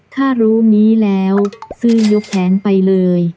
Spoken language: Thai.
ถ้ารู้นี้แล้วซื้อยกแขนไปเลย